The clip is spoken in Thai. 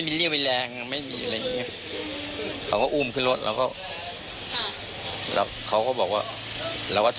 พี่สมหมายก็เลย